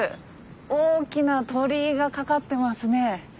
大きな鳥居がかかってますね。